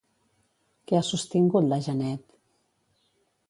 Què ha sostingut la Janet?